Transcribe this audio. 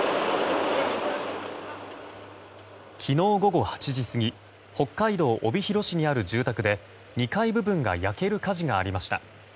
昨日午後８時過ぎ北海道帯広市にある住宅で２階部分が焼ける火事がありました。